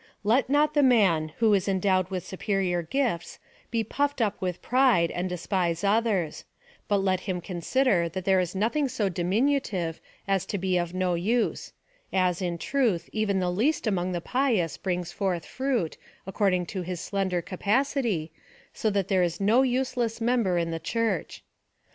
Let not the man, who is endowed with superior gifts, be puff'ed up with pride, and despise others ; but let him consider that there is no thing so diminutive as to be of no use — as, in truth, even the least among the pious brings forth fruit, according to his slender capacity, so that there is no useless member in the Church.